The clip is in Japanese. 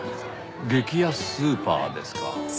激安スーパーですか。